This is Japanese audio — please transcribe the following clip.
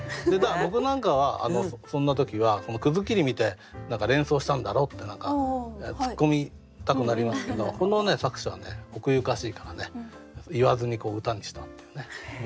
僕なんかはそんな時は切り見て連想したんだろってツッコミたくなりますけどこの作者は奥ゆかしいからね言わずに歌にしたっていうね。